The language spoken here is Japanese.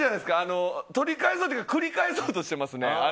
取り返そうというか繰り返そうとしていますね。